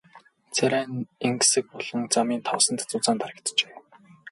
Царай нь энгэсэг болон замын тоосонд зузаан дарагджээ.